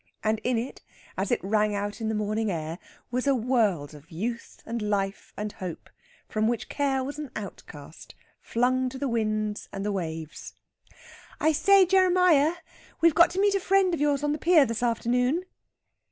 And in it, as it rang out in the morning air, was a world of youth and life and hope from which care was an outcast, flung to the winds and the waves. "I say, Jeremiah, we've got to meet a friend of yours on the pier this afternoon."